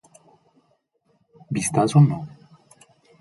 Vistazo No.